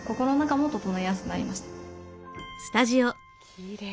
きれい。